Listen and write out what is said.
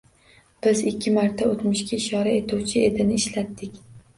Biz ikki marta o‘tmishga ishora etuvchi «edi»ni ishlatdik.